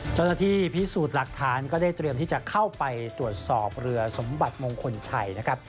เจ้าหน้าที่พิสูจน์หลักฐานก็ได้เตรียมที่จะเข้าไปตรวจสอบเรือสมบัติมงคลชัยนะครับ